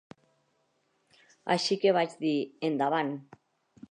Així que vaig dir "Endavant!"